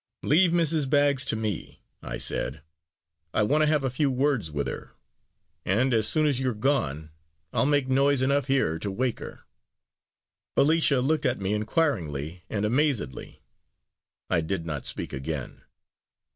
"Leave Mrs. Baggs to me," I said. "I want to have a few words with her; and, as soon as you are gone, I'll make noise enough here to wake her." Alicia looked at me inquiringly and amazedly. I did not speak again.